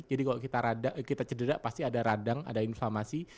jadi kalau kita cedera pasti ada radang ada inflammasi